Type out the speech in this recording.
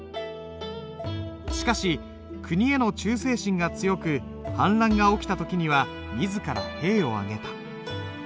しかし国への忠誠心が強く反乱が起きた時には自ら兵を挙げた。